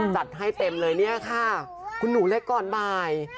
จัดให้เต็มเลยเนี่ยค่ะคุณหนูเล็กก่อนบ่าย